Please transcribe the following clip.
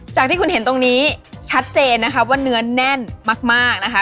จากที่คุณเห็นตรงนี้ชัดเจนนะคะว่าเนื้อแน่นมากนะคะ